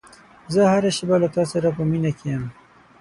زه هره شېبه له تا سره په مینه کې یم.